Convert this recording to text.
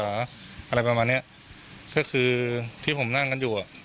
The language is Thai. อะไรประมาณเนี้ยก็คือที่ผมนั่งกันอยู่อ่ะ